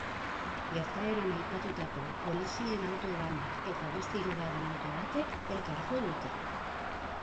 Gertaeran aipatutako polizien auto banak eta beste hirugarren auto batek elkar jo dute.